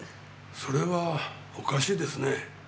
それはおかしいですね。